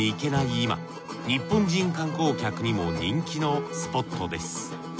今日本人観光客にも人気のスポットです。